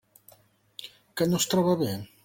Que no es troba bé?